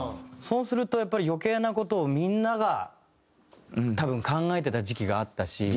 そうするとやっぱり余計な事をみんなが多分考えてた時期があったし。